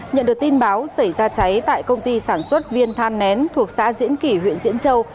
nhận được tin báo xảy ra cháy tại công ty sản xuất viên than nén thuộc xã diễn kỷ huyện diễn châu